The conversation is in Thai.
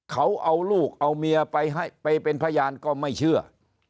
เขาเอาลูกเอาเมียไปเป็นพยานก็ไม่เชื่อ